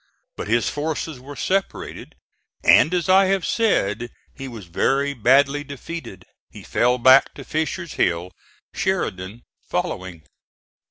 But his forces were separated and, as I have said, he was very badly defeated. He fell back to Fisher's Hill, Sheridan following.